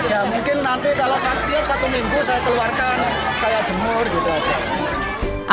tidak ada mungkin nanti kalau setiap satu minggu saya keluarkan saya jemur gitu saja